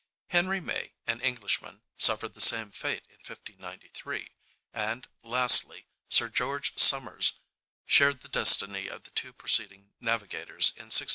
Henry May, an Englishman, suffered the same fate in 1593; and lastly, Sir George Somers shared the destiny of the two preceding navigators in 1609.